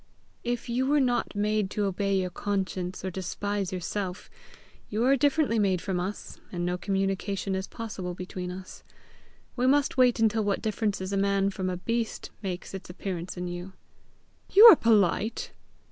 "If you were not made to obey your conscience or despise yourself, you are differently made from us, and no communication is possible between us. We must wait until what differences a man from a beast make its appearance in you." "You are polite!"